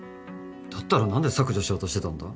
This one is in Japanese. だったら何で削除しようとしてたんだ。